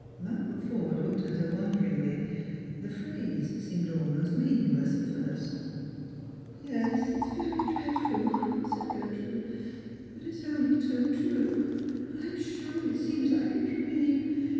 Malcolm Forde looked at her wonderingly ; the phrase seemed almost meaningless at first. 378 Strartfjers and Pilgrims. "Yes, it's very dreadful," said Gertrude, "but it's only loo true. I'm sure it seems like a dream.